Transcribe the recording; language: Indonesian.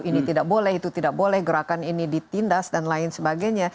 ini tidak boleh itu tidak boleh gerakan ini ditindas dan lain sebagainya